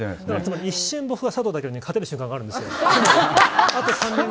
だから一瞬、僕が佐藤健に勝てる瞬間があるんですよ。